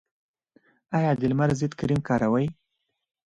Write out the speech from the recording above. ایا د لمر ضد کریم کاروئ؟